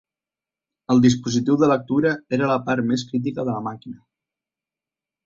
El dispositiu de lectura era la part més crítica de la màquina.